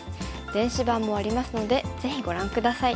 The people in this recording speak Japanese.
電子版もありますのでぜひご覧下さい。